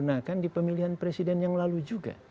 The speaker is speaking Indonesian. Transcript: itu digunakan di pemilihan presiden yang lalu juga